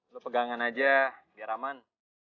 lu pegangan aja biar aman